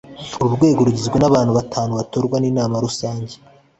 uru rwego rugizwe n abantu batanu batorwa n Inama Rusange